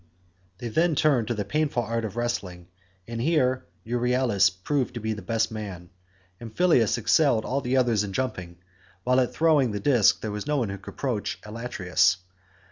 67 They then turned to the painful art of wrestling, and here Euryalus proved to be the best man. Amphialus excelled all the others in jumping, while at throwing the disc there was no one who could approach Elatreus.